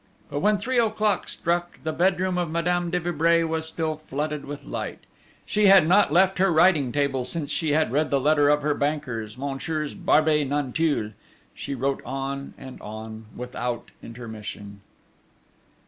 But when three o'clock struck, the bedroom of Madame de Vibray was still flooded with light. She had not left her writing table since she had read the letter of her bankers, Messieurs Barbey Nanteuil. She wrote on, and on, without intermission.